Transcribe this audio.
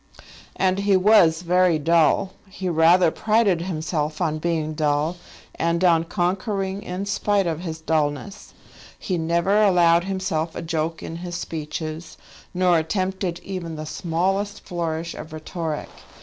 And he was very dull. He rather prided himself on being dull, and on conquering in spite of his dullness. He never allowed himself a joke in his speeches, nor attempted even the smallest flourish of rhetoric.